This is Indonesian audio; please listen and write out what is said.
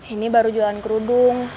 ini baru jalan kerudung